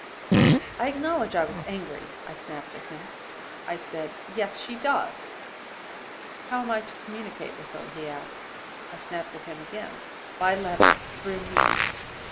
"I acknowledge I was angry. I snapped at him. I said, 'Yes, she does.' "'How am I to communicate with her?' he asked. "I snapped at him again. 'By letter through me.